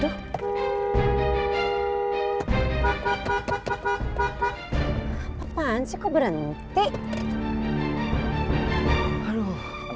dalam manipulasi kuber hatchling